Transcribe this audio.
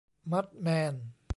มัดแมน